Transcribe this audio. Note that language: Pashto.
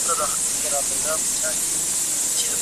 ځینې چارواکي د ملي ستونزو پرځای خپل ګټه ویني.